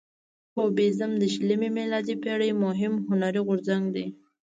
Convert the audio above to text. کوبیزم د شلمې میلادي پیړۍ مهم هنري غورځنګ دی.